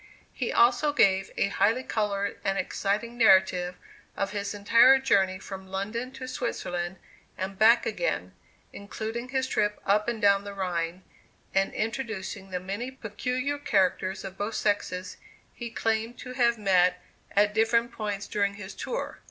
He also gave a highly colored and exciting narrative of his entire journey from London to Switzerland, and back again, including his trip up and down the Rhine, and introducing the many peculiar characters of both sexes, he claimed to have met at different points during his tour.